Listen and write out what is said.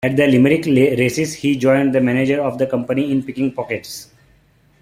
At the Limerick races he joined the manager of the company in picking pockets.